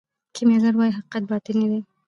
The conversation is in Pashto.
کیمیاګر وايي حقیقت باطني دی.